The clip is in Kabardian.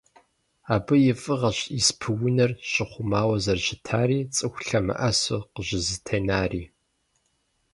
Абы и фIыгъэщ испы-унэр щIэхъумауэ зэрыщытари, цIыху лъэмыIэсу къыщIызэтенари.